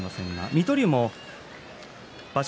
水戸龍も場所